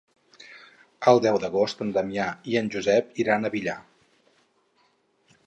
El deu d'agost na Damià i en Josep iran al Villar.